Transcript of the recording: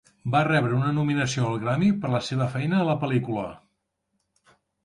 Va rebre una nominació al Grammy per la seva feina a la pel·lícula.